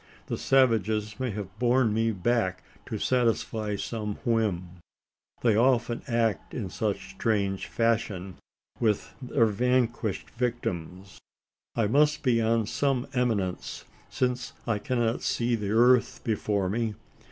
The savages may have borne me back to satisfy some whim? They often act in such strange fashion with, their vanquished victims. I must be on some eminence: since I cannot see the earth before me?